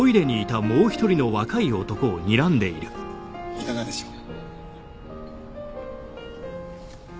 いかがでしょう？